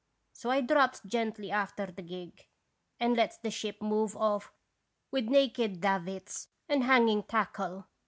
So I drops gently after the gig, and lets the ship move off with naked davits and hanging tackle.